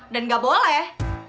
dan gak boleh